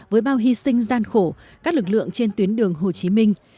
với bao hy sinh gian khổ các lực lượng trên tuyến đường hồ chí minh